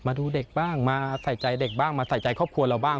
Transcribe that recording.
มาดูเด็กบ้างมาใส่ใจเด็กบ้างมาใส่ใจครอบครัวเราบ้าง